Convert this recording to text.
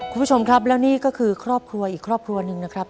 คุณผู้ชมครับแล้วนี่ก็คือครอบครัวอีกครอบครัวหนึ่งนะครับ